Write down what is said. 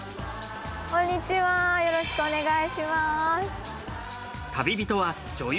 こんにちはよろしくお願いします。